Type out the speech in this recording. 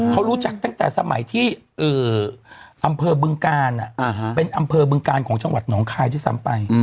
เขารู้จักตั้งแต่สมัยที่อำเภอบึงกาลเป็นอำเภอบึงกาลของจังหวัดหนองคายด้วยซ้ำไป